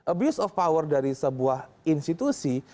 abuse of power dari sebuah institusi